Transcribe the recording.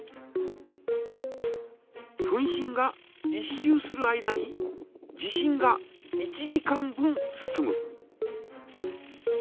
分針が１周する間に時針が１時間分進む。